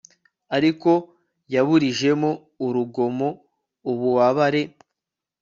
ariko yaburijemo urugomo ububabare